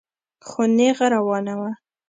خو نېغه روانه وه.